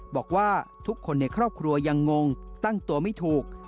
บอกว่าทุกคนในครอบครัวยังงงตั้งตัวไม่ถูก